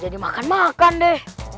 jadi makan makan deh